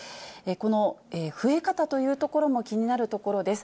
この増え方というところも気になるところです。